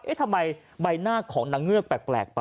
ทำไมใบหน้าของนางเงือกแปลกไป